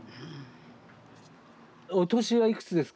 お年はいくつですか？